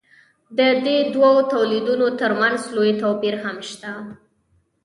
د دې دوو تولیدونو ترمنځ لوی توپیر هم شته.